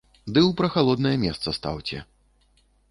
Ды ў прахалоднае месца стаўце.